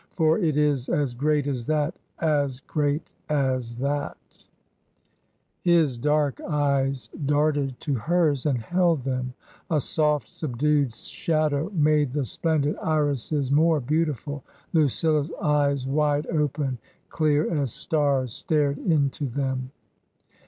"For it is as great as that — as great as thatr His dark eyes darted to hers and held them ; a soft, subdued shadow made the splendid irises more beauti ful ; Lucilla*s eyes, wide open, clear as stars, stared into them.